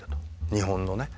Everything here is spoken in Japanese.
日本のね。